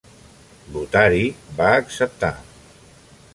Lotari va acceptar.